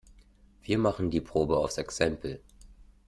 Wir machen die Probe aufs Exempel.